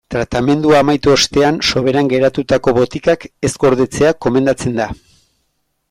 Tratamendua amaitu ostean soberan geratutako botikak ez gordetzea gomendatzen da.